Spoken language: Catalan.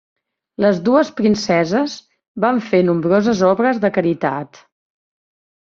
Les dues princeses van fer nombroses obres de caritat.